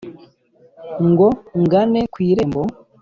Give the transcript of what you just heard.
ngo ngane ku irembo